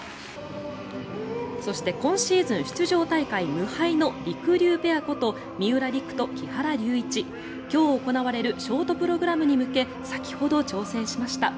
そして今シーズン出場大会無敗のりくりゅうペアこと三浦璃来と木原龍一。今日行われるショートプログラムに向け先ほど調整しました。